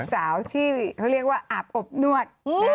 สาวที่เขาเรียกว่าอาบอบนวด